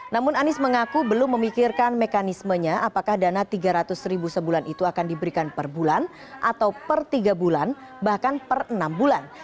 namun anies mengaku belum memikirkan mekanismenya apakah dana rp tiga ratus ribu sebulan itu akan diberikan per bulan atau per tiga bulan bahkan per enam bulan